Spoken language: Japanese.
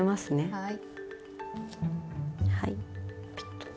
はい。